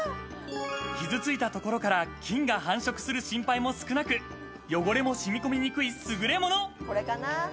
傷ついたところから菌が繁殖する心配も少なく、汚れも染み込みにくい優れもの。